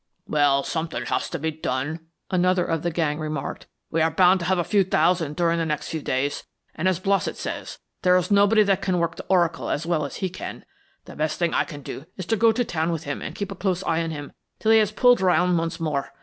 "Well, something has got to be done," another of the gang remarked. "We are bound to have a few thousand during the next few days, and, as Blossett says, there is nobody that can work the oracle as well as he can. The best thing I can do is to go to town with him and keep a close eye on him till he has pulled round once more.